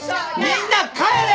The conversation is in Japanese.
みんな帰れ！